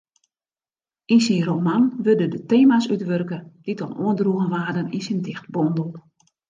Yn syn roman wurde de tema's útwurke dy't al oandroegen waarden yn syn dichtbondel.